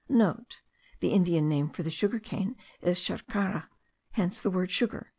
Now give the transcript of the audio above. *(* The Indian name for the sugar cane is sharkara. Thence the word sugar.)